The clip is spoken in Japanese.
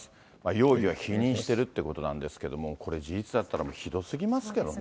容疑は否認しているということなんですけれども、これ事実だったら、ひどすぎますけどね。